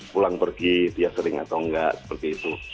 pulang pergi dia sering atau enggak seperti itu